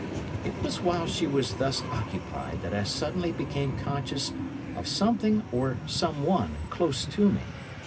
It was while she was thus occupied that I suddenly became conscious of something or someone close to me.